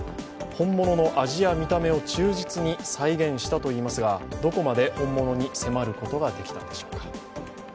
本物の味や見た目を忠実に再現したといいますが、どこまで本物に迫ることができたのでしょうか。